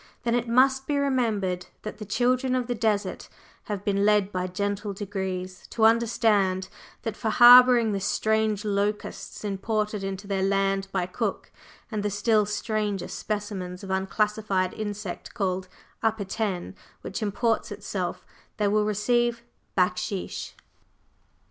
Then, it must be remembered that the "children of the desert" have been led by gentle degrees to understand that for harboring the strange locusts imported into their land by Cook, and the still stranger specimens of unclassified insect called Upper Ten, which imports itself, they will receive "backsheesh."